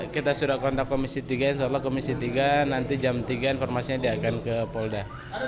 kita sudah kontak komisi tiga nanti jam tiga informasinya diakan ke polda